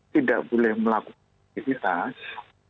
tidak boleh melakukan aktivitas